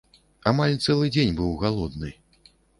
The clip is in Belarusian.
Амаль цэлы дзень быў галодны.